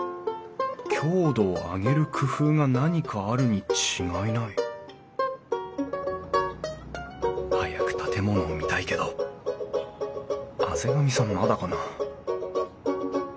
強度を上げる工夫が何かあるに違いない早く建物を見たいけど畔上さんまだかな？